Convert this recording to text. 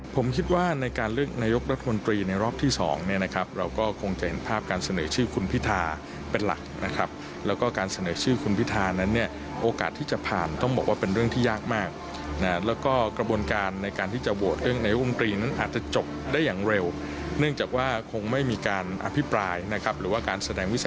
ผมคิดว่าในการเลือกนายกรัฐมนตรีในรอบที่สองเนี่ยนะครับเราก็คงจะเห็นภาพการเสนอชื่อคุณพิธาเป็นหลักนะครับแล้วก็การเสนอชื่อคุณพิธานั้นเนี่ยโอกาสที่จะผ่านต้องบอกว่าเป็นเรื่องที่ยากมากนะแล้วก็กระบวนการในการที่จะโหวตเรื่องนายมตรีนั้นอาจจะจบได้อย่างเร็วเนื่องจากว่าคงไม่มีการอภิปรายนะครับหรือว่าการแสดงวิส